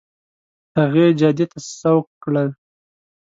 هغې جادې ته سوق کړل.